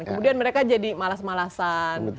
kemudian mereka jadi malas malasan